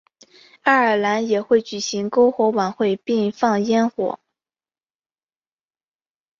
爱尔兰也会举行篝火晚会并放焰火。